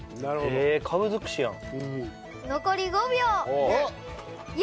へえカブ尽くしやん。